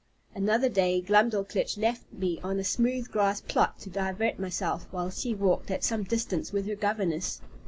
Another day, Glumdalelitch left me on a smooth grass plot to divert myself, while she walked at some distance with her governess.